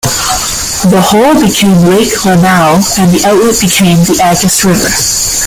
The hole became Lake Lanao and the outlet became the Agus river.